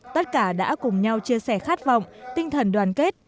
tất cả đã cùng nhau chia sẻ khát vọng tinh thần đoàn kết